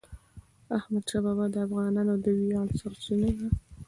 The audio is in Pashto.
احمدشاه بابا د افغانانو د ویاړ سرچینه ده.